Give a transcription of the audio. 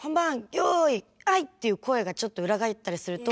よいはい！」っていう声がちょっと裏返ったりすると。